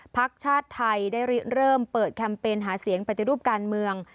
พักชาติไทยได้เริ่มเปิดแคมเปญหาเสียงปฏิรูปการเมือง